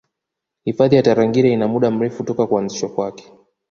Hifadhi ya Tarangire ina muda mrefu toka kuanzishwa kwake